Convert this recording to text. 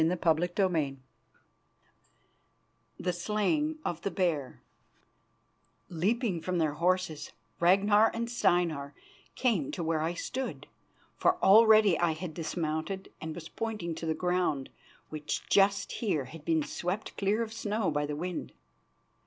CHAPTER II THE SLAYING OF THE BEAR Leaping from their horses, Ragnar and Steinar came to where I stood, for already I had dismounted and was pointing to the ground, which just here had been swept clear of snow by the wind.